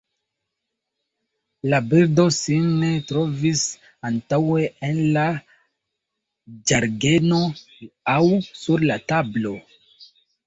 La birdo sin ne trovis antaŭe en la ĝardeno aŭ sur la tablo.